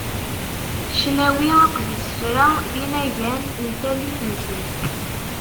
Cnawi akked isefra d inagan n tallit-nsen.